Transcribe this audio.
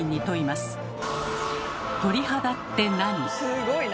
すごいな！